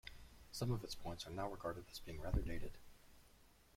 Some of its points are now regarded as being rather dated.